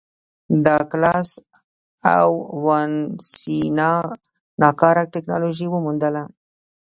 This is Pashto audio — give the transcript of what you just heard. ډاګلاس او وانسینا ناکاره ټکنالوژي وموندله.